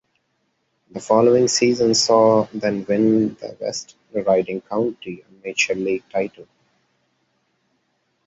The following season saw them win the West Riding County Amateur League title.